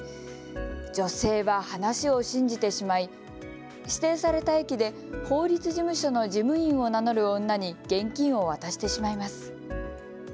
女性は話を信じてしまい指定された駅で法律事務所の事務員を名乗る女に現金を渡してしまいます。